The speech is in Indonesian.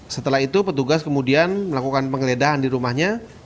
setelah itu petugas kemudian melakukan penggeledahan di rumahnya